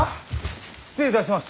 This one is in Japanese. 失礼いたします。